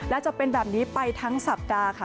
และจะเป็นแบบนี้ไปทั้งสัปดาห์ค่ะ